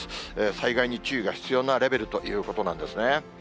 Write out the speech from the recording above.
災害に注意が必要なレベルということなんですね。